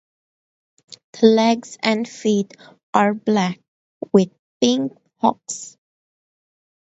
The legs and feet are black with pink hocks.